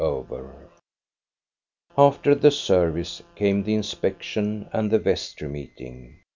6 INTRODUCTION After the service came the inspection and the ves try meeting.